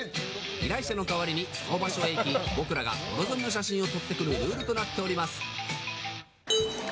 依頼者の代わりにその場所に行き僕らがお望みの写真を撮ってくるルールとなっています。